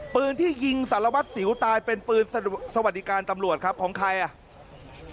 ปืนที่ยิงสารวัตรสิวตายเป็นปืนสวัสดิการตำรวจครับของใครอ่ะ